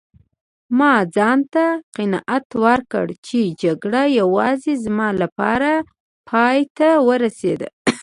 ما ځانته قناعت ورکړ چي جګړه یوازې زما لپاره پایته ورسیده.